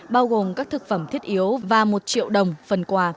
bao gồm các thực phẩm thiết yếu và một triệu đồng phần quà